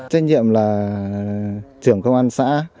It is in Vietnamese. trên nhiệm là trưởng công an xã